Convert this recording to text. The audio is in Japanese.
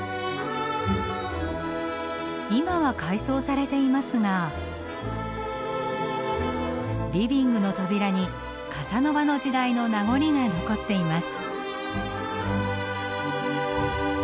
今は改装されていますがリビングの扉にカサノバの時代の名残が残っています。